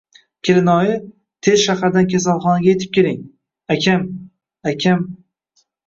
Kelinoyi, tez shahar kasalxonasiga yetib keling, akam, akam…